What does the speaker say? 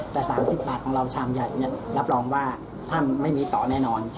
แต่๓๐บาทของเราชามใหญ่รับรองว่าท่านไม่มีต่อแน่นอน